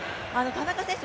田中選手